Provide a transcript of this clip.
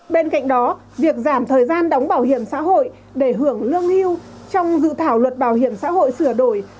bên cạnh đó việc giảm thời gian đóng bảo hiểm xã hội để hưởng lương hưu trong dự thảo luật bảo hiểm xã hội sửa đổi